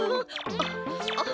あっあっ。